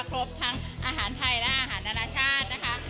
ครบทั้งอาหารไทยและอาหารนานาชาตินะคะ